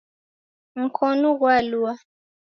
Mkonu ghwalua